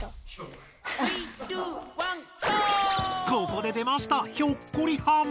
ここで出ました！